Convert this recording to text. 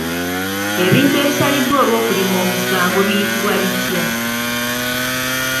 Ebintu ebisaliddwa olw'okulima omusango biyitibwa bitya?